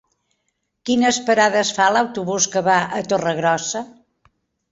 Quines parades fa l'autobús que va a Torregrossa?